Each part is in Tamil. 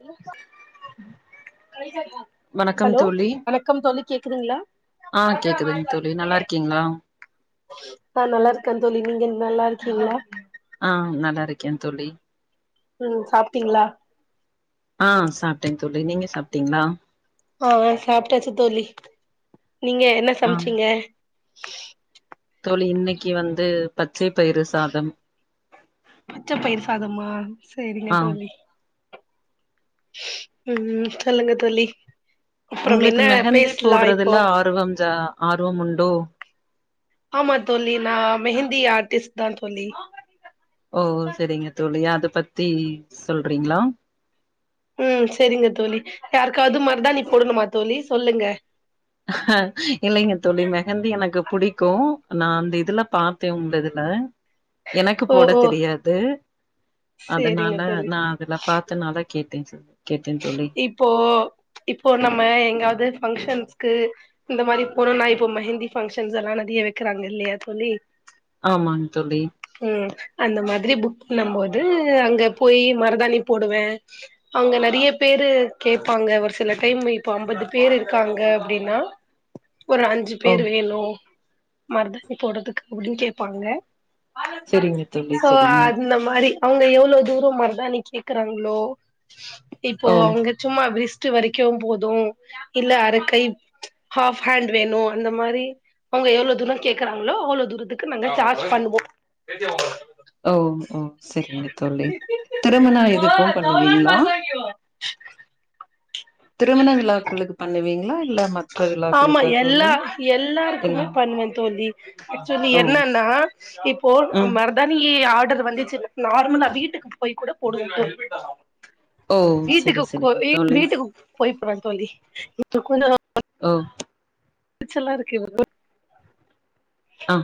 இல்ல கலிஜாக்கா வணக்கம் ஹலோ தோழி வணக்கம் தோழி கேக்குதுங்ளா ஆ கேக்குதுங் தோழி நல்லா இருக்கீங்களா ஆ நல்லா இருக்கே தோழி நீங்க நல்லா இருக்கீங்ளா ஆ நல்லா இருக்கே தோழி ம் சாப்ட்டீங்ளா ஆ சாப்ட்டே தோழி நீங்க சாப்ட்டீங்ளா ஆ சாப்ட்டாச்சு தோழி நீங்க என்ன ஆ சமைச்சீங்க தோழி இன்னைக்கு வந்து பச்ச பயிறு சாதம் உச்ச பயிர் சாதமா செரிங்க ஆ தோழி ம் சொல்லுங்க தோழி அப்புறம் உங்களுக்கு என்ன மெஹந்தி பேசலா இப்போ போடுறதுல ஆர்வம் ஜா ஆர்வம் உண்டோ ஆமா தோழி நா மெஹந்தி ஆர்டிஸ்ட் தா தோழி ஓ செரிங்க தோழி அத பத்தி சொல்றீங்களா ம் செரிங்க தோழி யாருக்காது மருதாணி போடணுமா தோழி சொல்லுங்க அஹ இல்லைங்க தோழி மெஹந்தி எனக்கு பிடிக்கு நா அந்த இதுல பாத்தே உங்க இதுல எனக்கு ஓ போட ஓ தெரியாது சேரிங்க அதனால தோழி நா அதுலப் பாத்தனால தா கேட்டே செ [inaudible] கேட்டேன் தோழி ப்போ இப்போ நம்ம எங்காவது ஃபங்க்ஷன்ஸ்க்கு இந்த மாரி போனு நா இப்போ மெஹந்தி பங்க்ஷன்ஸ் எல்லா நெறைய வைக்கிறாங்க இல்லையா தோழி ஆமாங் தோழி ம் அந்த மாதிரி புக் பண்ணும் போோது அங்க போயி மருதாணி போடுவே அங்க நெறையப் பேரு கேட்பாங்க ஒரு சில டைம் இப்போ ஐம்பது பேர் இருக்காங்க அப்படின்னா ஒரு அஞ்சு ஓ பேர் வேணு மருதானி போடுறதுக்கு அப்டின்னு கேப்பாங்க செரிங்க தோழி சோ செரிங்க அந்த மாரி அவங்க எவ்வளோ தூரம் மரதாானி கேக்குறாங்களோ இப்போ ஓ அவங்க சும்மா பிரிச்சட்டு வரைக்கு போதும் இல்ல அறக்கை ஹாஃப் ஹேண்ட் ஹேண்டு வேணு அந்த மாரி அவங்க எவ்வளவு தூரோ கேக்குறாங்களோ அவ்வளவு தூரத்துக்கு நாங்க சார்ஜ் பண்ணுவோ ஜோ ஓ ஓ செரிங்க தோழி திருமண இதுக்கு ஜோலானு பண்ணுவீங்களா பாசாக்யூ திருமண விழாக்களுக்கு பண்ணுவீங்களா இல்ல மத் ஆமா எல்லா எல் எல்லாருக்குமே பண்ணுவே தோழி ஆக்சுவலி ஓ என்னன்னா இப்போ ம் மெ தானே ஈ ஆர்டர் வந்துச்சு நார்மலா வீட்டுக்கு போய் கூட போடுவோ போ ஓ செரி வீட்டுக்கு கோ செரிங்க தோழி வீட்டுக்கு போய போற தோழி [unintelligible] ஓ எரிச்சலா இருக்கு [unintelligible] ஆ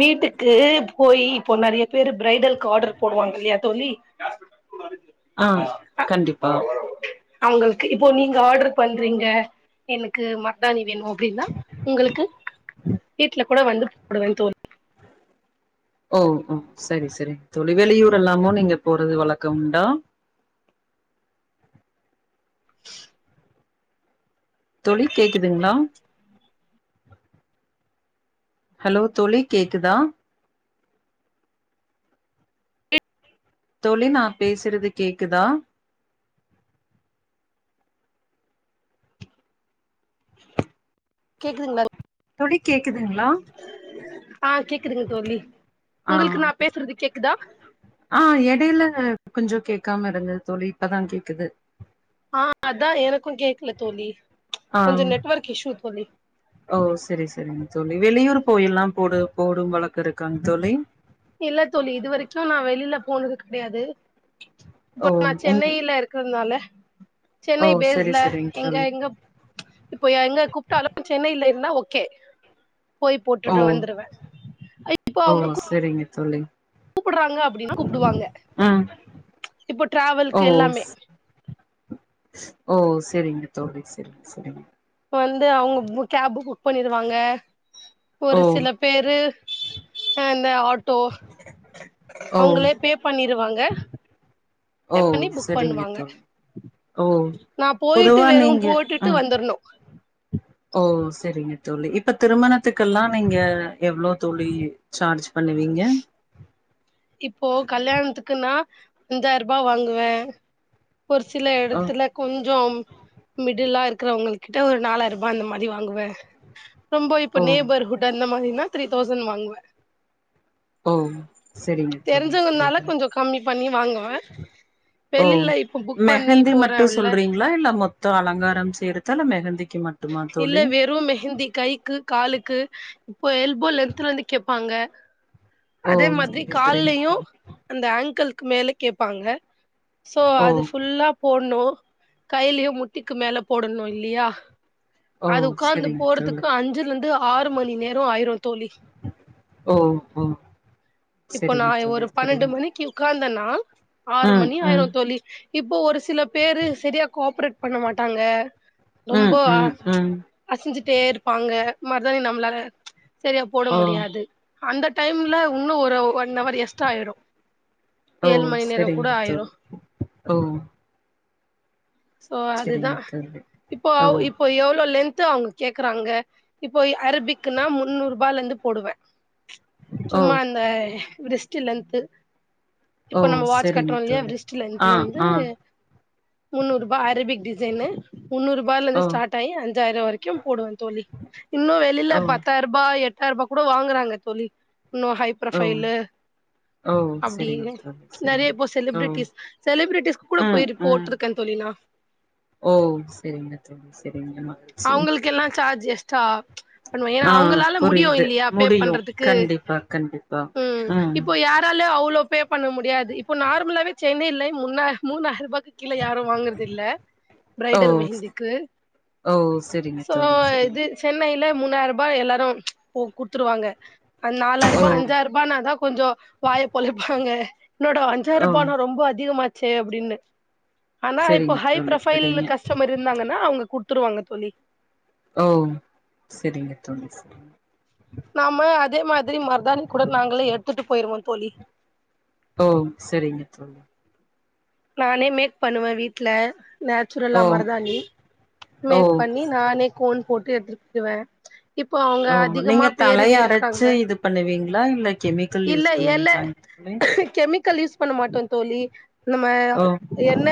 வீட்டுக்கு போய் இப்போ நெறைய பேரு ப்ரரைடலு ஆர்டர் போடுவாங்க இல்லையா தோழி [unintelligible] ஆ கண்டிப்பா அவங்களுக்கு இப்போ நீங்க ஆர்டர் பண்றீங்க எனக்கு மருதானி வேணு அப்படின்னா உங்களுக்கு வீட்ல கூட வந்து போடுவே தோழ் ஓ ஓ சரி சரி தோழி வெளியூர் எல்லாமோ நீங்க போறது வழக்க உண்டா [inaudible] தோழி கேக்குதுங்களா ஹலோ தோழி கேக்குதா தோழி நா பேசுறது கேக்குதா கேக்குதுங்களா தோழி கேக்குதுங்களா ஆ கேக்குதுங்க தோழி ஆ உங்களுக்கு நா பேசுறது கேக்குதா ஆ எடையில கொஞ்சோ கேக்காம இருந்தது தோழி இப்பதா கேக்குது ஆ அதா எனக்கு கேக்கல தோழி ஆ கொஞ்சோ நெட்ஒர்க் இஷ்யூ தோழி ஓ சரி சரிங்க தோழி வெளியூர் போயிலாம் போடு போடும் வழக்கம் இருக்காங் தோழி இல்ல தோழி இது வரைக்கு நா வெளில போனது கெடையாது ஓ இப்ப நா உங் சென்னையில இரு க்றனால ஓ சென்னை செரி பேஸ்ல செரிங்க எங்க தோழி எங்க இப்ப எங்க கூப்ட்டாலு சென்னையில இருந்தா ஓகே போய் ஓ போட்டுட்டு வந்துருவே இப்போ அவங்க கூப் சரிங்க தோழி கூப்புறாங்க அப்டின்னா கூப்புடுவாங்க ம் இப்ப ட்ராவல்க்கு ஓ எல்லாமே ஸ் ஓ சரிங்க தோழி சரி சரிங்க வந்து அவங்க பு கேப்பு புக் பண்ணிருவாங்க ஒரு ஓ சில பேரு இந்த ஆ இந்த ஆட் ட்டோ ஓ அவங்களே பே பண்ணிருவாங்க பே ஓ பண்ணி புக் செரிங்க பண்ணுவாங்க தோழி ஓ நா போயிட்டு பொதுவா வெறும் நீங்க போட்டுட்டு ம் வந்தர்ணு ஓ செரிங்க தோழி இப்ப திருமணத்துக்கெல்லா நீங்க எவ்ளோ தோழி சார்ஜ் பண்ணுவீங்க இப்போ கல்யாணத்துக்குன்னா அஞ்சாரூபா வாங்குவே ஒரு சில ஓ எடத்துல கொஞ்சோம் மிடில்லா இருக்குறவங்கள் கிட்ட ஒரு நாலாயிரூபா அந்த மாரி வாங்குவே ரொம்போ இப்ப ஓ நேய்பர் ஹுட் அந்த மாரினா த்ரீ தௌசண் வாங்குவ ஓம் செரிங்க தோழி தெரிஞ்சவங்கனால செரிங்க கொஞ்சோ கம்மி பண்ணி வாங்குவே ஓ வெளில இப்ப புக் பண்ணி மெஹந்தி மட்டு போறேன்ல்ல சொல்றீங் ளா இல்ல மொத்த அலங்காரம் சேர்த்தா இல்ல மெஹந்திக்கு மட் இல்ல வெறும் மெஹந்தி கைக்கு காலுக்கு இப்போ எல்போ லென்த்ல இருந்து கேப்பாங்க ஓ அதே மாதிரி செரி செரிங்க கால்லையு தோழி அந்த ஆன்கில்க்கு மேல கேப்பாங்க சோ ஓ அது ஃபுல்லா போட்ணு கையிலயு முட்டிக்கு மேல போடணு இல்லியா ஓ அது உக்காந்து செரிங்க தோழி போறதுக்கு அஞ்சுல இருந்து ஆறு மணி நேரோ ஆயிரு தோழி ஓ ஓ இப்போ நா செரிங்க தோழி ஒரு பன்னெண்டு செரிங்க மணிக்கு உக்காந்தனா ஆறு ம் மணி ஆயிரு ம் தோழி இப்போ ஒரு சில பேரு சரியா கோப்ரேட் பண்ண மாட்டாங்க ம் ம்போ அ ம் ம் அசஞ்சுட்டே இருப்பாங்க மருதாணி நம்மளால சரியா போட ஓ முடியாது அந்த டைம்ல உன்னு ஒரு ஒன்னவர் எக் ஸ்ட்ரா ஆயிரு ஓ ஏழு மணி நேரோ கூட செரிங்க ஆயிரு தோழி ஓ சோ அதுதா செரிங்க தோழி இப்போ ஓ அவ் இப்போ எவ்ளோ லென்த்து அவ்ங்க கேக்குறாங்க இப்போ அரபிக்குன்னா முன்னூறுபாலந்து போடுவே ஓ சும்மா இந்த விரிஸ்டு லென்த்து ஓ இப்போ நம்ம வாட்ச் செரிங்க கட்றோ இல்லயா தோழி விர்ஸ்ட் ஆ லென்த்லந்து ஆ முன்னூறுபா அரபிக் டிசைனு முன்னூறுபாலந்து ஓ ஸ்டார்ட் ஆயி அஞ்சாயிரோ வரைக்கு போடுவே தோழி இன்னு வெளில ஓ பத்தாய்ரூபா எட்டாயி ரூபா கூட வாங்குறாங்க தோழி இன்னு ஹை ஓ புரொஃபைலு ஓ அப்டி செரிங்க தோழி செரிங்க நெறைய இப்போ ஓ செலிபிரிட்டிஸ் செலிபிரிட்டிஸ்க்கு கூட ம் போய்ரு ம் போட்ருக்கே தோழி நா ஓ செரிங்க தோழி செரிங்கமா அவுங்களுக்கெல்லா சார்ஜு எக்ஸ்டா பண்ணுவே ஏனா ஆ அவுங்களால முடியு புரியுது இல்லயா பே முடியு பண்றதுக்கு கண்டிப்பா கண்டிப்பா ம் இப் ப்போ யாராலயு அவ்ளோ பே பண்ண முடியாது இப்போ நார்மலாவே சென்னைல முணா மூணாயிருபாக்கு கீழ யாரு வாங்குறது இல்ல ஓ ப்ரைடல் மெஹிந்துக்கு ஓ செரி சோ இது சென்னைல மூணாய்ரூபா எல்லாரு போ குட்த்துருவாங்க அந் ஓ நாலாயிரூபா அஞ்சாயிரூபானாதா கொஞ்சோ வாய பொழெப்பாங்க என்னடா ஓ அஞ்சாயிரூபானா ரொம்ப அதிகமாச்சே அப்டின்னு ஆனா இப்போ செரிங்க ஹை தோழி ப்ரொஃபைல் செரிங்க கஸ்டமர் இருந்தாங்கன்னா அவுங்க குட்த்துருவாங்க தோழி ஓ செரிங்க தோழி செரி நாம அதே மாதிரி மருதாணி கூட நாங்களே எடுத்துட்டு போயிருவோ தோழி ஓ செரிங்க தோழி நானே மேக் பண்ணுவே வீட்ல நே ஓ நச்சுரலா மருதாணி ஓ மேக் பண்ணி நானே கோன் போட்டு எடுத்துட்டுவ இப்போ அவுங்க ஓ நீங்க அதிகமா தலைய பேருவே இருக்காங்க அரைச்சு இது பண்ணுவீங்களா இல்ல கெமிக்கல் இல்ல யூஸ் எல பண்ணுவீங்களாங்க தோழி கெமிக்கல் யூஸ் பண்ண மாட்டோ தோழி நம்ம ஓ எண்ண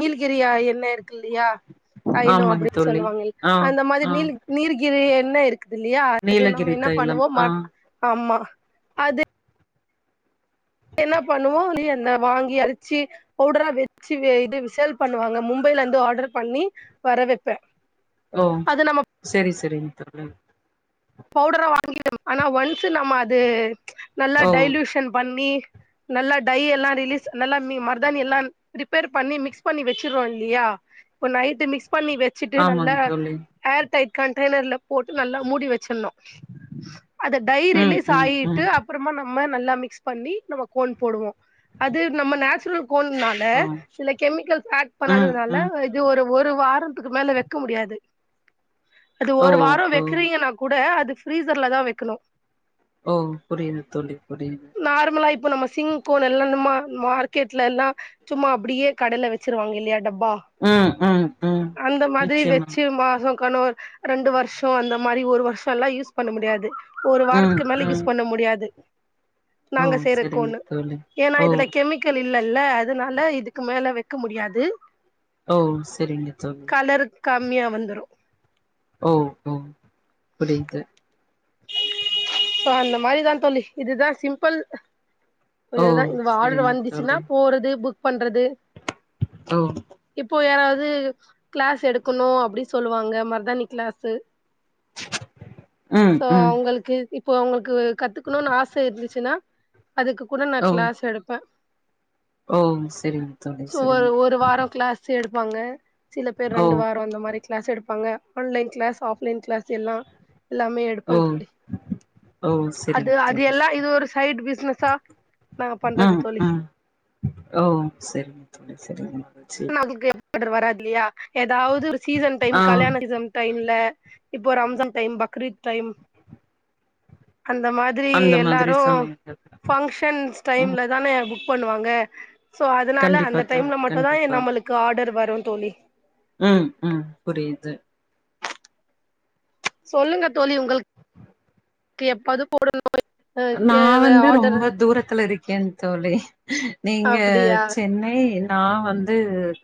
நீல்கிரியா எண்ண இருக்கு இல்லயா தைலோ ஆமாங் அப்டின்னு தோழி சொல்லுவாங்ள ஆ அந்த மாதிரி ஆ நீ நீர்கிரி எண்ண இரு க்குதுல்லயா அது நம்ம நீலகிரி என்ன தைலம் பண்ணுவோ ஆ மட் ஆமா அது என்ன பண்ணுவோ லி எண்ண வாங்கி அரச்சி பவுடரா வச்சு வே இது சேல் பண்ணுவாங்க மும்பைலந்து ஆர்ட்ரு பண்ணி வர வெப்ப ஓ செரி செரிங்க தோழி பவுடரா வாங்கி ஆனா ஒன்ஸூ நம்ம அது நல்லா ஓ டைல்யூஷன் பண்ணி நல்லா டை எல்லா ரிலீஸ் நல்லா ம மருதானி எல்லா ப்ரீப்பேர் பண்ணி மிக்ஸ் பண்ணி வச்சுருவோ இல்லயா இப்போ நைட்டு மிக்ஸ் பண்ணி வ ச்சுட்டு நல்லா ஆமாங் தோழி ஏர் டைட் கண்டெய்னர்ல போட்டு நல்லா மூடி வச்சிட்ணு அத டை ம் ரிலீஸ் ம் ஆயிட்டு ம் அப்றமா நம்ம நல்லா மிக்ஸ் பண்ணி நம்ம கோன் போடுவோ அது நம்ம நேச்சுரல் கோன்னால ஓ சில கெமிக்கல்ஸ் ஆட் ம் பண்ணாததுனால ம் இது ஒரு ஒரு வாரத்துக்கு மேல வெக்க முடியாது அது ஓ ஒரு வாரோ ஓ வெக்றீங்கன்னா கூட அது ஃபிசர்லதா வெக்கணு ஓ புரிது தோழி புரிது நார்மலா இப்போ நம்ம சிங்க் கோன் எல்லா இந்த மார் மார்க்கெட்லலா சும்மா அப்டியே கடைல வச்சிருவாங்க இல்லயா டப்பா ம் ம் ம் அந்த மாதிரி நிச்சயமா வச்சு மாசோ கனோ ரெண்டு வருஷோ அந்த மாரி ஒரு வருஷோலா யூஸ் பண்ண முடியாது ஒரு ம் வாரத்துக்கு மேல ம் யூஸ் பண்ண முடியாது ஓ நாங்க செய்ற செரிங்க கோன்னு தோழி ஏன்னா ஓ இதுல கெமி க்கல் இல்லல்ல அதனால இதுக்கு மேல வெக்க முடியாது ஓ செரிங்க தோழி கலரு கம்மியா வந்துரு ஓ ஓ புரிது ோ அந்த மாதிரிதா தோழி இதுதா சிம்பிள் இது ஓ தா இந்த ஆர்டர் செரிங்க வந்துச்சுன்னா தோழி போறது புக் பண்றது ஓ இப்போ யாராவது கிளாஸ் எடுக்கணும் அப்டி சொல்லுவாங்க மரதானி கிளாஸ்ு ம் சோ ம் உங்களுக்கு இப்போ உங்களுக்கு கத்துக்கன்னு ஆச இருந்துச்சுன்னா அதுக்கு கூட நா ஓ க்ளாஸ் எடுப்ப ஓ செரிங்க தோழி செரிங்க சடுப்பாங்க சில பேர் ஓ ரெண்டு வார அந்த மாதிரி கிளாஸ் எடுப்பாங்க ஆன்லைன் கிளாஸ் ஆப்ன் கிளாஸ் எல்லா எல்லாமே எடுப்போ ஓ தோழி ஓ அது செரிங்க அது தோழி எல்லா செரி இது ஒரு சைட் பிசினஸா நா பண்றது ம் தோழி ம் ஓ சரிங்க தோழி [unintelligible] வராதுல்லயா ஏதாவது ஒரு சீசன் டைம் ஆ கல்யாண சீச டைம்ல இப்போ ரம்ஜான் டைம் பக்ரீத் டைம் அந்த மாரி மாதிரி அந்த மாதிரி எல்லாரும் சமயங்கள் ஃபங்க்ஷன்ஸ் ம் டைமில்ல தான புக் பண்ணுவாங்க ஸோ அதனால கண்டிப்பா அந்த தோழி டைமில் மட்டுும்்தா கண்டிப்பா நம்மளுக்கு கார்டர் வரு தோழி ம் ம் புரிது சொல்லுங்கத் தோழி உங்கள்க்கு எப்பாது போட நோய் நா வந்து ரொம்ப தூரத்துல இருக்கேன் தோழி நீங்க அப்டியா சென்னை நா வந்து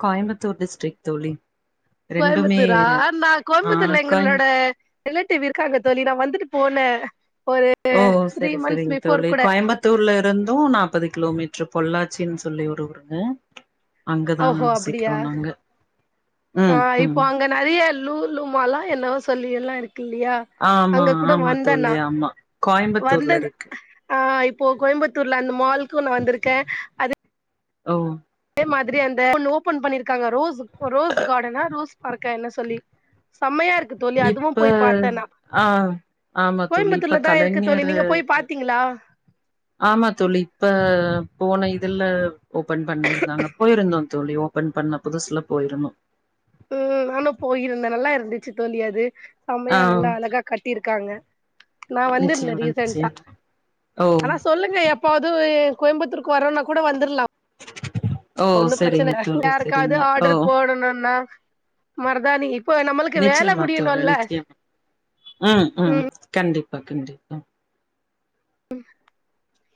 கோயம்புத்தூர் டிஸ்ட்ரிக் தோழி ரெண்டுமே கோயம்புத்தூரா நா ஆ கோயம்புத்தூர்ல கோய எங்களோட ரிலேட்டிவ் இருக்காங்க தோழி நா வந்துட்டு போனே ஒரு ஓ செரி செரிங் தோழி கோயம்பத் த்தூர்ல இருந்து நாப்பது கிலோமீட்ரு பொள்ளாச்சின் சொல்லி ஒரு ஊரு அங்கதா ஓஹோ அப்டியா வசிக்றோ நாங்க ஆ ம் இப்போ ம் அங்க நெறைய லூ லூ மாலா என்னவோ சொல்லி எல்லா இருக்கு இல்லியா ஆமா ஆமா தோழி ஆமா வந்த கோயம்புத்தூர்ல இருக்கு ஆ இப்போ கோயம்புத்தூர்ல அந்த மால்க்கு நா வந்திருக்கே அது ஓ அதே மாதிரி அந்த இப்ப ஒன்னு ஓபன் பண்ணிருக்காங்க ரோஸ்க் ரோஸ் கார்டனா ரோஸ் பரக்கே என்ன சொல்லி செம்மையாருக் இப்ப ஆ ஆமா தோழி இப்ப கோயம்புத்தூர்ல தா இருக்கு தோழி கலைஞரு நீங்க போய் [unintelligible] பாத்தீங்களா ஆமா தோழி இப்ப போன இதல ஓபன் பண்ணியிருந்தாங்க போயிருந்தோ தோழி ஓபன் பண்ண புதுசுல போயிருந்தோ ம் நானும் போயிருந்தே நல்லா இருந்துச்சு தோழி அது ஆ செம்மையா நல்லா அழகா கட்டியிருக்காங்க நா வந்திருந்தே நிச்சயமா ரீசன்ட்டா நிச்சயமா ஓ ஆனா சொல்லு ங்க எப்பவாது கோயம்புத்தூருக்கு வரோனா கூட வந்துரலா ஓ ஒன்னும் பிரச்சன சரிங்க இல்ல தோழி யாருக்காவது சரிங்க ஓ ஆர்டர் போடணுனா மரதானி இப்போ நம்மளுக்கு வேல நிச்சயமா தோழி முடியனுல்ல நிச்சயமா ம் ம் கண்டிப்பா கண்டிப்பா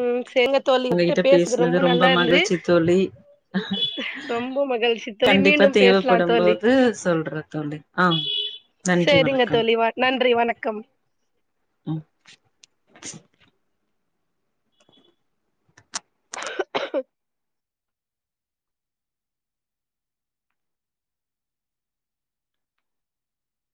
ம் செங்கத் தோழி வுங்கக்கிட்ட உங்ககிட்ட பேசுது ரொம்ப பேசுனது நல்லா இருந்து மகிழ்ச்சி தோழி ரொம்ப மகிழ்ச்சித் தோழி கண்டிப்பா மீண்டும் பேசலாந் தேவைப்படும் தோழி போது சொல்றே தோழி ஆ நன்றி சேரிங்கத் வணக்கம் தோழி வ நன்றி வணக்கம் ம்